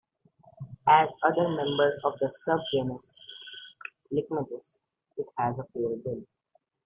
As other members of the subgenus "Licmetis", it has a pale bill.